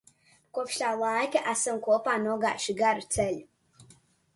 Kopš tā laika esam kopā nogājuši garu ceļu.